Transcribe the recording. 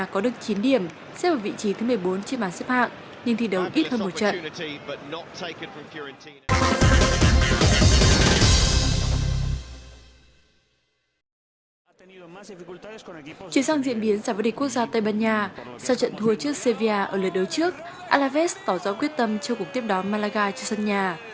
chuyển sang diễn biến giả vỡ địch quốc gia tây ban nha sau trận thua trước sevilla ở lần đấu trước alaves tỏ rõ quyết tâm cho cuộc tiếp đón malaga cho sân nhà